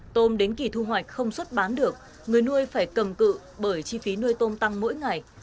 tôm đến kỳ thu hoạch không xuất bán được người nuôi phải cầm cự bởi chi phí nuôi tôm tăng mỗi ngày